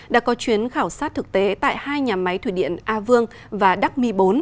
đã có chuyến khảo sát thực tế tại hai nhà máy thủy điện a vương và đắc mi bốn